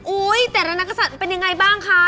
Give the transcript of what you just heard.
แต่ละนักศัตริย์เป็นยังไงบ้างคะ